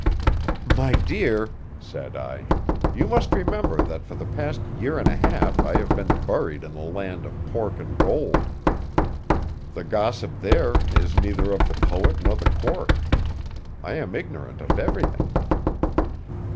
"My dear," said I, "you must remember that for the past year and a half I have been buried in the land of pork and gold. The gossip there is neither of the poet nor the court. I am ignorant of everything."